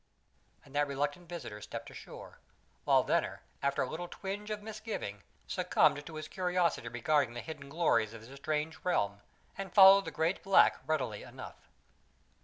and that reluctant visitor stepped ashore; while Venner, after a little twinge of misgiving, succumbed to his curiosity regarding the hidden glories of this strange realm, and followed the great black readily enough.